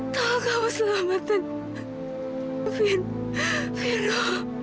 tolong kamu selamatkan fino